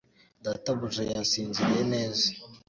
data buja yasinziriye neza